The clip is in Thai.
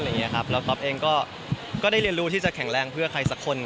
แล้วก๊อฟเองก็ได้เรียนรู้ที่จะแข็งแรงเพื่อใครสักคน